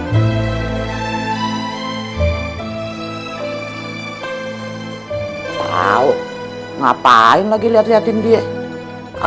gapau ngapain lagi liatin liatin dia